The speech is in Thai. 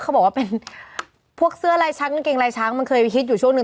เขาบอกว่าเป็นพวกเสื้อลายช้างกางเกงลายช้างมันเคยฮิตอยู่ช่วงหนึ่ง